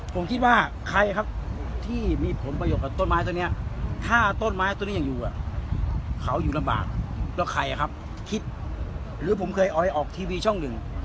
ผมคิดว่าใครครับที่มีผลประโยชน์กับต้นไม้ต้นนี้ถ้าต้นไม้ต้นนี้ยังอยู่เขาอยู่ลำบากแล้วใครครับคิดหรือผมเคยออยออกทีวีช่องหนึ่ง